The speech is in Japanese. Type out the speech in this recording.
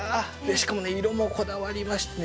しかもね色もこだわりましてね